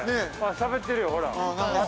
しゃべってるよ、ほら。